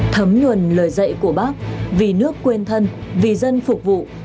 thấm nhuần lời dạy của bác vì nước quên thân vì dân phục vụ